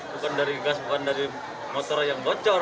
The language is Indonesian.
bukan dari gas bukan dari motor yang bocor